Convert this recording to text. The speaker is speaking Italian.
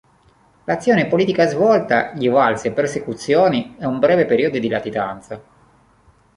L'azione politica svolta gli valse persecuzioni e un breve periodo di latitanza.